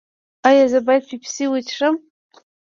ایا زه باید پیپسي وڅښم؟